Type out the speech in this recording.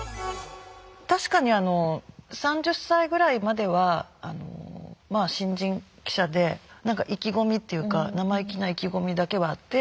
確かにあの３０歳ぐらいまではまあ新人記者で何か意気込みというか生意気な意気込みだけはあって。